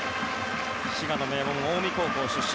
滋賀の名門、近江高校出身。